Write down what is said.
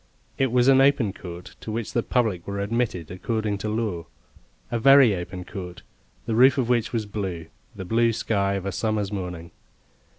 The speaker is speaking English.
It was an open court, to which the public were admitted according to law; a very open court, the roof of which was blue the blue sky of a summer's morning.